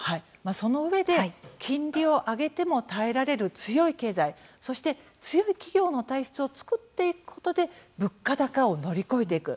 そのうえで金利を上げても耐えられる強い経済そして強い企業の体質を作っていくことで物価高を乗り越えていく。